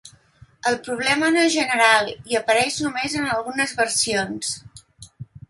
El problema no és general i apareix només en algunes versions.